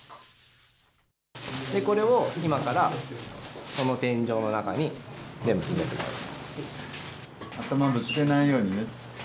これを今からこの天井の中に全部詰めていきます。